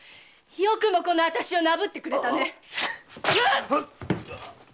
よくもこのあたしをなぶってくれたね。